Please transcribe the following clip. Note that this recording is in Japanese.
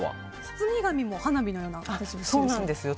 包み紙も花火のような形ですね。